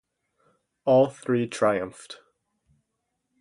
All three triumphed.